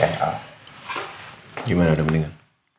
gimana udah mendengar